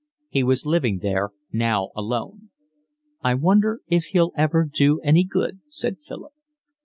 He was living there now alone. "I wonder if he'll ever do any good," said Philip.